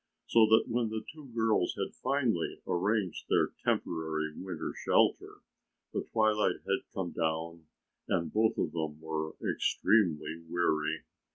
So that when the two girls had finally arranged their temporary winter shelter, the twilight had come down and both of them were extremely weary.